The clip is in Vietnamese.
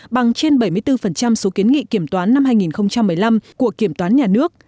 bằng trên bảy mươi bốn số kiến nghị kiểm toán năm hai nghìn một mươi năm của kiểm toán nhà nước